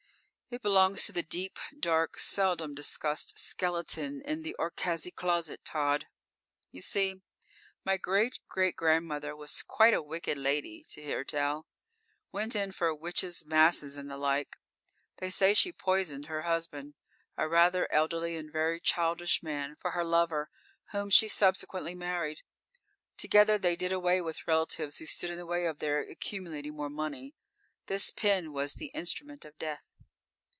"It belongs to the deep, dark, seldom discussed skeleton in the Orcaczy closet, Tod. You see, my great great grandmother was quite a wicked lady, to hear tell. Went in for Witches' masses and the like. They say she poisoned her husband, a rather elderly and very childish man, for her lover, whom she subsequently married. Together they did away with relatives who stood in the way of their accumulating more money. This pin was the instrument of death."